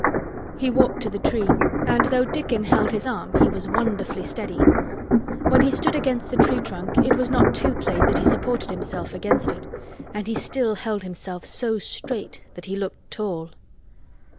He walked to the tree and though Dickon held his arm he was wonderfully steady. When he stood against the tree trunk it was not too plain that he supported himself against it, and he still held himself so straight that he looked tall.